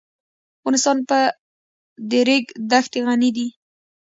افغانستان په د ریګ دښتې غني دی.